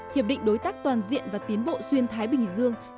hiệp định đối tác toàn diện và tiến bộ xuyên thái bình dương